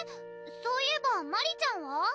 そういえばマリちゃんは？